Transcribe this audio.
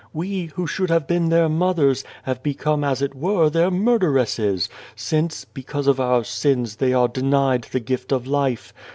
We, who should have been their mothers, have become as it were their murderesses, since, because of our sins they are denied the gift of life.